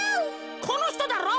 このひとだろう？